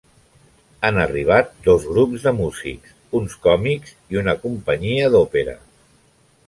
Han arribat dos grups de músics: uns còmics i una companyia d'òpera.